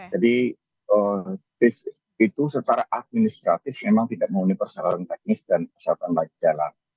jadi itu secara administratif memang tidak memiliki persyaratan teknis dan persyaratan layak jalan